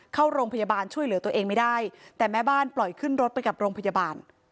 เข้าโรงพยาบาลช่วยเหลือตัวเองไม่ได้แต่แม่บ้านปล่อยขึ้นรถไปกับโรงพยาบาล